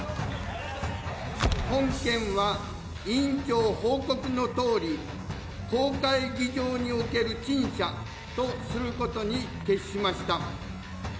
本件は委員長報告のとおり、公開議場における陳謝とすることに決しました。